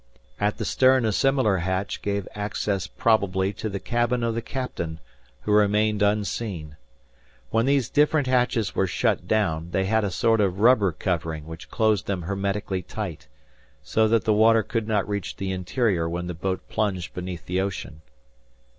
At the stern a similar hatch gave access probably to the cabin of the captain, who remained unseen. When these different hatches were shut down, they had a sort of rubber covering which closed them hermetically tight, so that the water could not reach the interior when the boat plunged beneath the ocean.